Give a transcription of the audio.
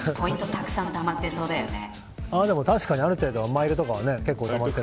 たくさんたまってそうだね。